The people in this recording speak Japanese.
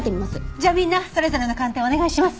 じゃあみんなそれぞれの鑑定をお願いします。